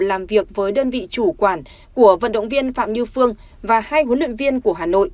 làm việc với đơn vị chủ quản của vận động viên phạm như phương và hai huấn luyện viên của hà nội